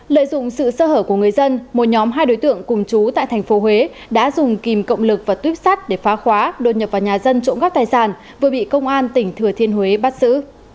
lợi dụng sự sơ hở của người dân một nhóm hai đối tượng cùng chú tại thành phố huế đã dùng kìm cộng lực và tuyếp sắt để phá khóa đột nhập vào nhà dân trộm các tài sản vừa bị công an tỉnh thừa thiên huế bắt xử